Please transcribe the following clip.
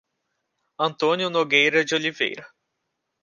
Antônio Nogueira de Oliveira